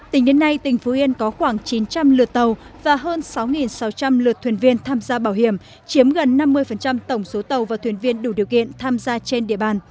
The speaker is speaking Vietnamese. tính đến nay tỉnh phú yên có khoảng chín trăm linh lượt tàu và hơn sáu sáu trăm linh lượt thuyền viên tham gia bảo hiểm chiếm gần năm mươi tổng số tàu và thuyền viên đủ điều kiện tham gia trên địa bàn